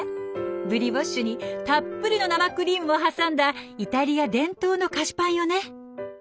ブリオッシュにたっぷりの生クリームを挟んだイタリア伝統の菓子パンよね。